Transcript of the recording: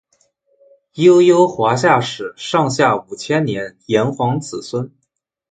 悠悠华夏史上下五千年炎黄子孙